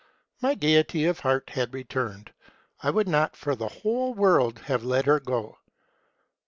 My gayety of heart had returned. I would not for the whole world have let her go.